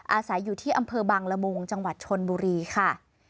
อาศัยอยู่ที่อำเภอบังละมุงจังหวัดชนบุรีค่ะ